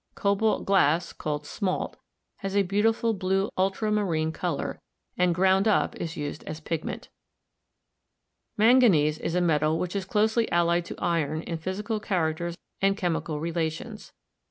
Cobalt glass, called smalt, has a beautiful blue ultramarine color, and ground up is used as a pigment. Manganese is a metal which is closely allied to iron in physical characters and chemical relations.